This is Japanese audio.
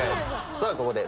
さあここで。